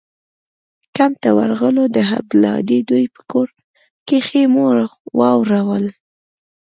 کمپ ته ورغلو د عبدالهادي دوى په کور کښې مو واړول.